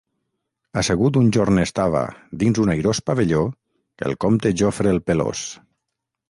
Assegut un jorn estava, dins un airós pavelló, el Comte Jofre el Pelós.